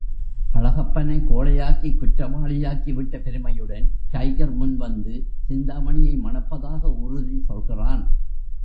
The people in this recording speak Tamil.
அழகப்பனைக் கோழையாக்கிக் குற்றவாளியாக்கிவிட்ட பெருமையுடன், டைகர் முன் வந்து சிந்தாமணியை மணப்பதாக உறுதி சொல்கிறான்.